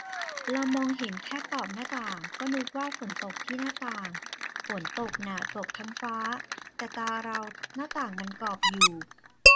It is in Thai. เรามองเห็นแค่กรอบหน้าต่าง ก็นึกว่าฝนตกที่หน้าต่าง ฝนตกน่ะตกทั้งฟ้า แต่ตาเราหน้าต่างมันกรอบอยู่